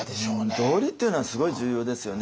道理っていうのはすごい重要ですよね。